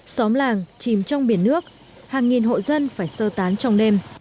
xóm làng chìm trong biển nước hàng nghìn hộ dân phải sơ tán trong đêm